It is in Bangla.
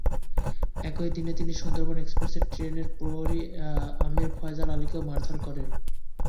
একই দিনে তিনি সুন্দরবন এক্সপ্রেস ট্রেনের প্রহরী আমির আফজাল আলীকেও মারধর করেন।